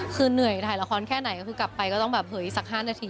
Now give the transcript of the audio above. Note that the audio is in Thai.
คือเหนื่อยถ่ายละครแค่ไหนก็คือกลับไปก็ต้องแบบเฮ้ยสัก๕นาที